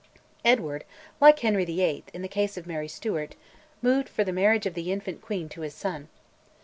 Edward (like Henry VIII. in the case of Mary Stuart) moved for the marriage of the infant queen to his son.